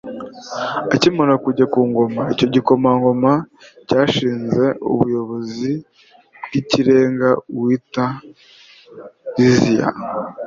akimara kujya ku ngoma, icyo gikomangoma cyashinze ubuyobozi bw'ikirenga uwitwa liziya